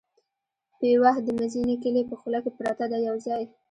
پېوه د مزینې کلي په خوله کې پرته ده یو ځای.